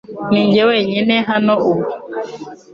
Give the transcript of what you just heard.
Ninjye wenyine hano ubu .